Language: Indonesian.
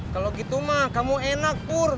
kalau gitu mah kamu enak pur